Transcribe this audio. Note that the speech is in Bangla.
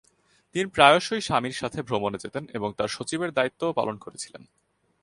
তিনি প্রায়শই স্বামীর সাথে ভ্রমণে যেতেন এবং তাঁর সচিবের দায়িত্বও পালন করেছিলেন।